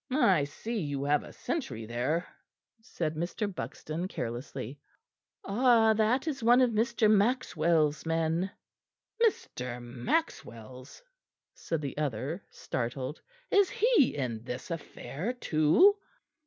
"I see you have a sentry there," said Mr. Buxton carelessly. "Ah! that is one of Mr. Maxwell's men." "Mr. Maxwell's!" said the other, startled. "Is he in this affair too?"